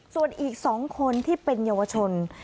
ส่วนอีก๒คนที่เป็นเยาวชน